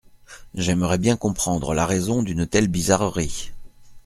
J’aimerais bien comprendre la raison d’une telle bizarrerie.